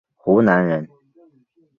湖南人。